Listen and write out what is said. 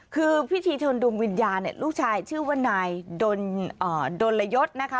คือพิธีชนดุมวิญญาณลูกชายชื่อว่านายโดนละยศนะคะ